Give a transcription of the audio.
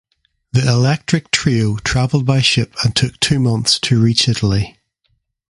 The electric trio traveled by ship and took two months to reach Italy.